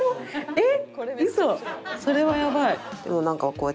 えっ！